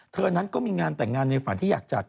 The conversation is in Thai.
นั้นก็มีงานแต่งงานในฝันที่อยากจัด